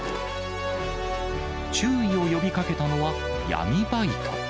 注意を呼びかけたのは、闇バイト。